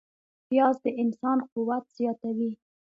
پیاز د انسان قوت زیاتوي